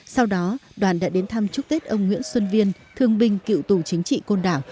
sau đó đoàn đã đến thăm chúc tết ông nguyễn xuân viên thương binh cựu tù chính trị côn đảo